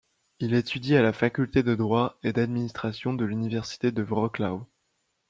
Il étudie à la faculté de droit et d'administration de l'université de Wrocław.